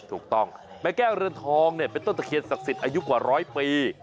แม่แก้วเรือนทองเนี่ยเป็นต้นตะเคียนศักดิ์สิทธิ์อายุกว่าร้อยปี